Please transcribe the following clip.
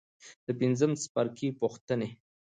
د پنځم څپرکي پوښتنې.